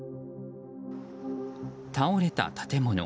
倒れた建物。